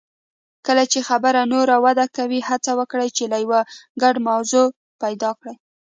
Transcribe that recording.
کله چې خبرې نوره وده کوي، هڅه وکړئ چې یو ګډه موضوع پیدا کړئ.